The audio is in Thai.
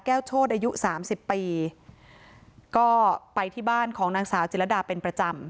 โชธอายุสามสิบปีก็ไปที่บ้านของนางสาวจิรดาเป็นประจำ